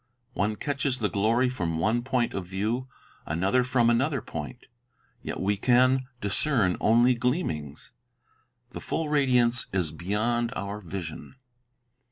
One catches the glory from one point of view, another from another point; yet we can discern only gleamings. The full radiance is beyond our vision.